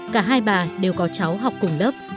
cả hai bà đều có cháu học cùng lớp